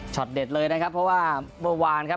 เด็ดเลยนะครับเพราะว่าเมื่อวานครับ